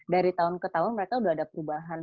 dari tahun ke tahun mereka sudah ada perubahan